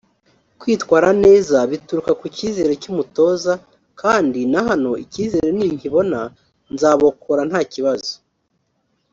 Kwitwara neza bituruka ku cyizere cy’umutoza kandi na hano icyizere ninkibona nzabokora nta kibazo